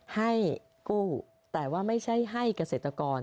ให้กู้แต่ว่าไม่ใช่ให้เกษตรกร